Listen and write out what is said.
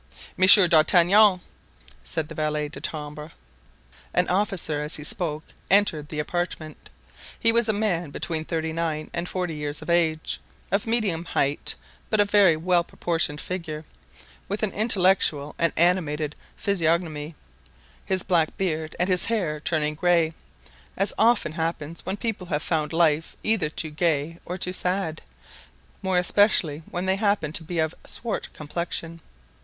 "Monsieur d'Artagnan," said the valet de chambre. An officer, as he spoke, entered the apartment. He was a man between thirty nine and forty years of age, of medium height but a very well proportioned figure; with an intellectual and animated physiognomy; his beard black, and his hair turning gray, as often happens when people have found life either too gay or too sad, more especially when they happen to be of swart complexion.